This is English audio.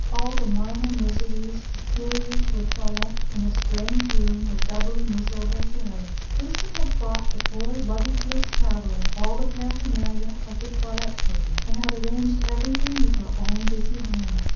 All the minor miseries peculiar to a toilet in a strange room were doubly miserable to her. Lucy had brought the poor luggageless traveller all the paraphernalia of the toilet table, and had arranged everything with her own busy hands.